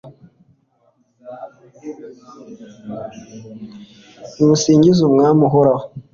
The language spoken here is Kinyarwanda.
nimusingize umwami, uhoraho